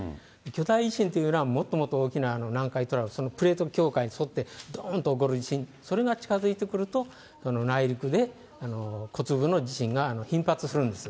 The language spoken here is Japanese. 巨大地震というのは、もっともっと大きな南海トラフ、そのプレート境界に沿って、どんと起こる地震、それが近づいてくると、内陸で小粒の地震が頻発するんです。